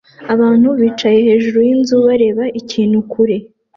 Abantu bicaye hejuru yinzu bareba ikintu kure